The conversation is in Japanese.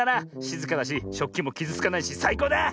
しずかだししょっきもきずつかないしさいこうだ！